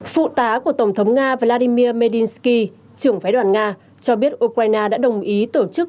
phụ tá của tổng thống nga vladimir mynsky trưởng phái đoàn nga cho biết ukraine đã đồng ý tổ chức